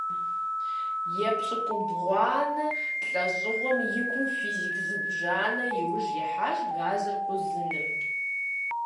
ЕпщыкIубгъуанэ лIэщIыгъуэм и кум физик зыбжанэ и ужь ихьащ газыр къузыным.